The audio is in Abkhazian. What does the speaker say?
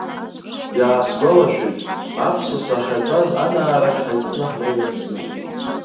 Иаасгәалашәеит, аԥсаса ахьаҿаз анаарахь ҳаицны ҳнеиуан ҽнак.